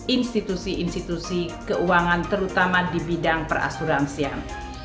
institusi institusi keuangan terutama di bidang perasuransian